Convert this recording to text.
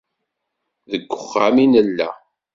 Deg uxxam i nella.